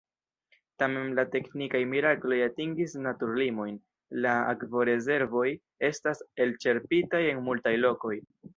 Tamen la teknikaj mirakloj atingis naturlimojn – la akvorezervoj estas elĉerpitaj en multaj lokoj.